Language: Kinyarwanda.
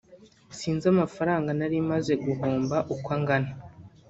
sinzi amafaranga nari maze guhomba uko angana